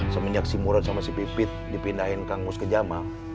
seminyak si murad sama si pipit dipindahin kang mus ke jamal